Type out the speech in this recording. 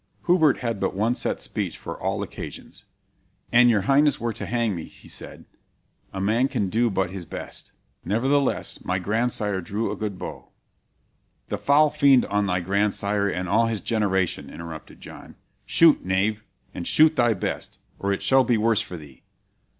"Hubert had but one set speech for all occasions. 'An your highness were to hang me,' he said, 'a man can but do his best. Nevertheless, my grandsire drew a good bow ' "'The foul fiend on thy grandsire and all his generation!' interrupted John; 'shoot, knave, and shoot thy best, or it shall be worse for thee!'